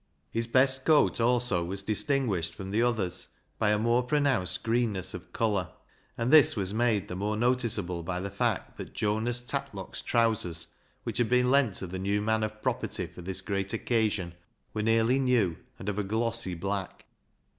His best coat also was distinguished from the others by a more pronounced greenness of colour, and this was made the more noticeable by the fact that Jonas LIGE'S LEGACY 159 Tatlock's trousers, which had been lent to the new man of property for this great occasion, were nearly new and of a glossy black.